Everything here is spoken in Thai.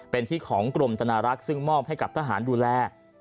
เป็นที่ของกรมธนารักษ์ซึ่งมอบให้กับทหารดูแล